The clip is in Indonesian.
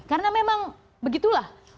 karena memang begitulah